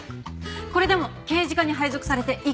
これでも刑事課に配属されて１カ月。